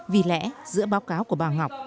vì lẽ giữa báo cáo của bà ngọc